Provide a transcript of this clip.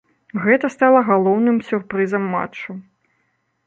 Гэта стала галоўным сюрпрызам матчу.